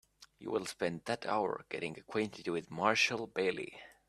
You will spend that hour getting acquainted with Marshall Bailey.